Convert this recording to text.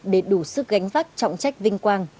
để đủ sức gánh vác trọng trách vinh quang